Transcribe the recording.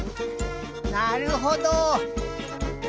なるほど。